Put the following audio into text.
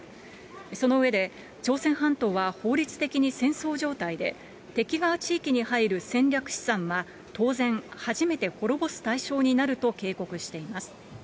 その上で、朝鮮半島は法律的に戦争状態で、敵側地域に入る戦略資産は当然、初めて滅ぼす対象になると警告しています。